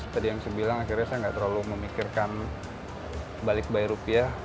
tadi yang saya bilang akhirnya saya nggak terlalu memikirkan balik bayar rupiah